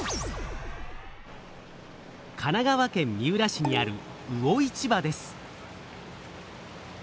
神奈川県三浦市にある魚市場です。